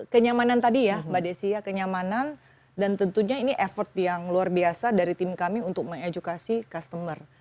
kenyamanan tadi ya mbak desi ya kenyamanan dan tentunya ini effort yang luar biasa dari tim kami untuk mengedukasi customer